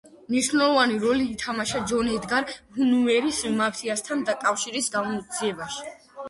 მნიშვნელოვანი როლი ითამაშა ჯონ ედგარ ჰუვერის მაფიასთან კავშირის გამოძიებაში.